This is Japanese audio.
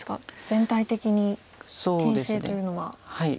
全体的に形勢というのは。